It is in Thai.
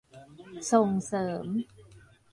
ส่งเสริม